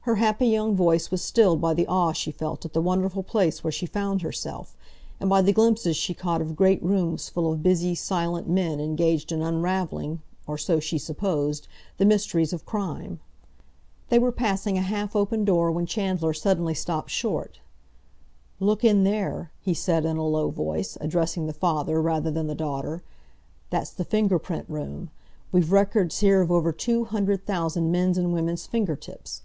Her happy young voice was stilled by the awe she felt at the wonderful place where she found herself, and by the glimpses she caught of great rooms full of busy, silent men engaged in unravelling—or so she supposed—the mysteries of crime. They were passing a half open door when Chandler suddenly stopped short. "Look in there," he said, in a low voice, addressing the father rather than the daughter, "that's the Finger Print Room. We've records here of over two hundred thousand men's and women's finger tips!